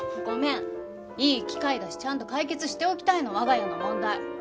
ごめんいい機会だしちゃんと解決しておきたいの我が家の問題。